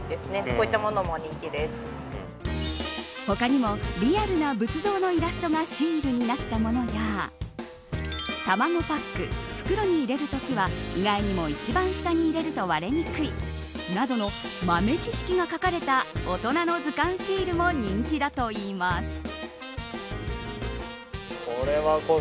他にもリアルな仏像のイラストがシールになったものや卵パック、袋に入れるときは意外にも一番下に入れると割れにくいなどの豆知識が書かれた大人の図鑑シールも人気だといいます。